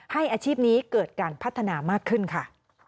อาชีพนี้เกิดการพัฒนามากขึ้นค่ะ